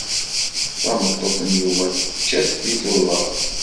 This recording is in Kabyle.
Tameṭṭut n Yuba teǧǧa-t deg Tubeṛ.